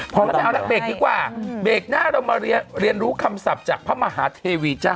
พอแล้วจะเอาละเบรกดีกว่าเบรกหน้าเรามาเรียนรู้คำศัพท์จากพระมหาเทวีจ้า